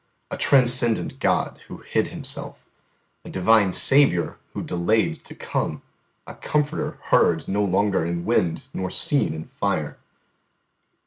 A Transcendent God Who hid Himself, a Divine Saviour Who delayed to come, a Comforter heard no longer in wind nor seen in fire!